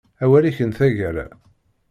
Awal-ik n taggara.